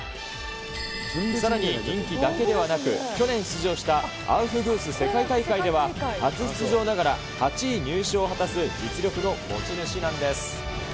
さらに人気だけではなく、去年出場したアウフグース世界大会では、初出場ながら８位入賞を果たす実力の持ち主なんです。